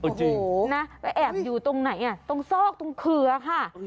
โอ้โหนะไปแอบอยู่ตรงไหนอ่ะตรงซอกตรงเครือค่ะ